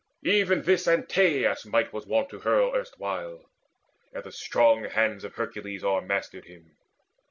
Even this Antaeus' might was wont to hurl Erstwhile, ere the strong hands of Hercules O'ermastered him.